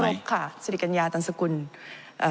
เชิญท่านประธานที่เคารพค่ะศรีกัญญาตรรรสกุลเอ่อ